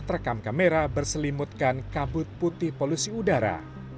terekam kamera berselimutkan kabut putih polusi udara